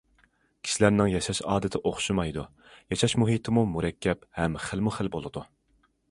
كىشىلەرنىڭ ياشاش ئادىتى ئوخشىمايدۇ، ياشاش مۇھىتىمۇ مۇرەككەپ ھەم خىلمۇ خىل بولىدۇ.